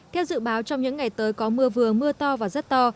theo dự báo trong những ngày tới có mưa vừa mưa to và rất to